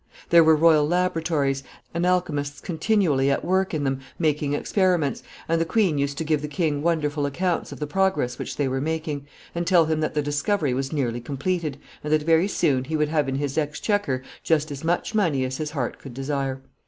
There were royal laboratories, and alchemists continually at work in them making experiments, and the queen used to give the king wonderful accounts of the progress which they were making, and tell him that the discovery was nearly completed, and that very soon he would have in his exchequer just as much money as his heart could desire.